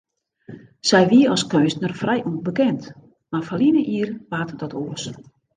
Sy wie as keunstner frij ûnbekend, mar ferline jier waard dat oars.